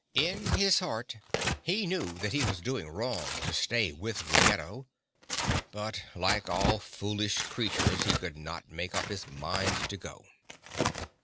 In his heart he knew that he was doing wrong to stay with Ruggedo, but like all foolish creatures he could not make up his mind to go.